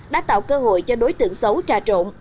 đã tạo cơ hội cho đối tượng xấu trà trộn